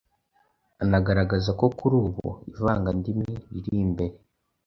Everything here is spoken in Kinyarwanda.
Anagaragaza ko kuri ubu, ivangandimi riri imbere